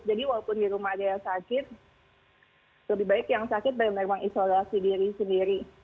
jadi walaupun di rumah ada yang sakit lebih baik yang sakit dari merumah isolasi diri sendiri